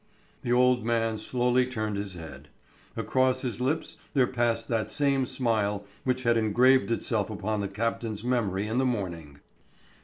The old man slowly turned his head. Across his lips there passed that same smile which had engraved itself upon the captain's memory in the morning.